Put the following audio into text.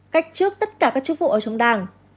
cách trước tất cả các chức vụ ở trong đảng